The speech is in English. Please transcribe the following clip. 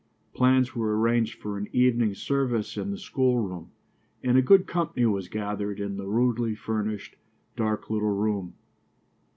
Plans were arranged for an evening service in the schoolroom, and a good company was gathered in the rudely furnished, dark little room.